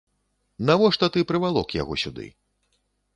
Навошта ты прывалок яго сюды?